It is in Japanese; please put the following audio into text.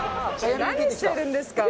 何してるんですか。